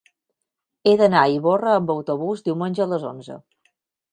He d'anar a Ivorra amb autobús diumenge a les onze.